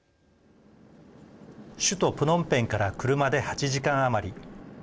首都プノンペンから車で８時間余り。